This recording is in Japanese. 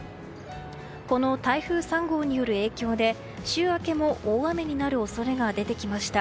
この台風３号による影響で週明けも大雨になる恐れが出てきました。